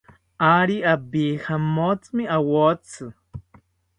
Ari abijamotsimi awotzi